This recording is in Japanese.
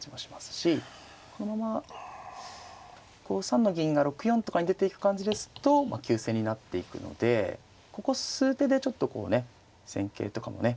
しこのまま５三の銀が６四とかに出ていく感じですと急戦になっていくのでここ数手でちょっとこうね戦型とかもね。